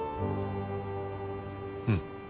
うん。